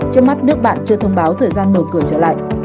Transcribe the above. trước mắt nước bạn chưa thông báo thời gian mở cửa trở lại